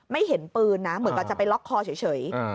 ไม่เห็นปืนเหมือนกว่าจะไปล็อกคอเฉย